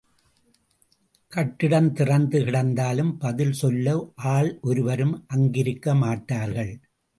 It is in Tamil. கட்டிடம் திறந்து கிடந்தாலும் பதில் சொல்ல ஆள் ஒருவரும் அங்கிருக்க மாட்டார்கள்.